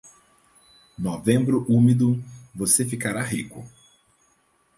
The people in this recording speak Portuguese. Novembro úmido, você ficará rico.